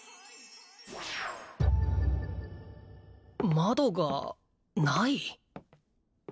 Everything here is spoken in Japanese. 窓がない？